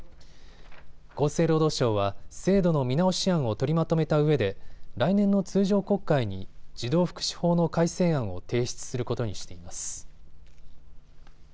厚生労働省は制度の見直し案を取りまとめたうえで来年の通常国会に児童福祉法の改正案を提出することにしています。